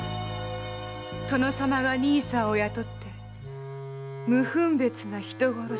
殿様が兄さんを雇って無分別な人殺しを。